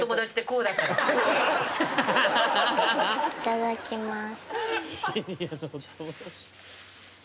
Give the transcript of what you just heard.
いただきます。